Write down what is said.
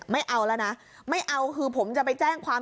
ไม่เอาแล้วนะไม่เอาคือผมจะไปแจ้งความ